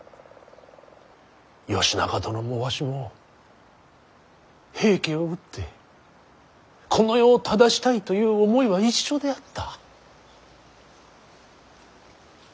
義仲殿もわしも平家を討ってこの世を正したいという思いは一緒であった。